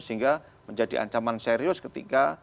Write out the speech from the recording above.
sehingga menjadi ancaman serius ketika